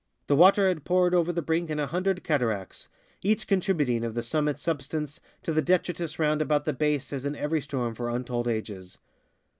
The water had poured over the brink in a hundred cataracts, each contributing of the summit's substance to the detritus round about the base as in every storm for untold ages.